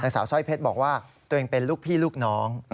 สาวสร้อยเพชรบอกว่าตัวเองเป็นลูกพี่ลูกน้อง